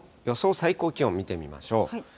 最高気温見てみましょう。